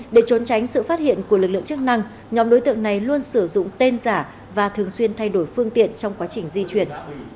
để trốn tránh sự phát hiện của lực lượng chức năng nhóm đối tượng này luôn sử dụng tên giả và thường xuyên thay đổi phương tiện trong quá trình di chuyển